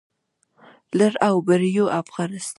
لر او بر يو افغان.